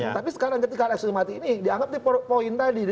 tapi sekarang ketika eksis mati ini dianggap di poin tadi